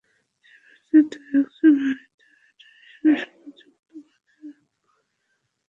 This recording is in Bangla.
সাবেকদের দু-একজন হয়তো ফেডারেশনের সঙ্গে যুক্ত, বাকিরা অবজ্ঞার শিকার হয়ে দূরে।